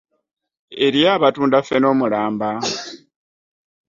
Eriyo abatunda ffene omulamba.